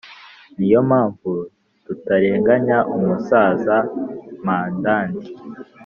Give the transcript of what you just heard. ni yo mpamvu tutarenganya umusaza madandi.